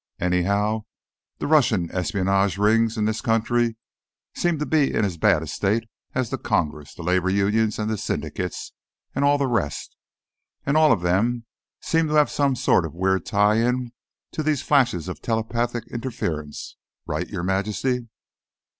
Anyhow, the Russian espionage rings in this country seem to be in as bad a state as the Congress, the labor unions, the syndicates, and all the rest. And all of them seem to have some sort of weird tie in to these flashes of telepathic interference. Right, Your Majesty?"